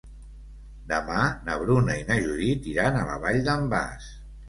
Demà na Bruna i na Judit iran a la Vall d'en Bas.